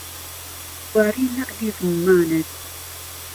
گوارەی لهعلى روممانت